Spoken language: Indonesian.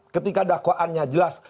ketika dakwaannya jelas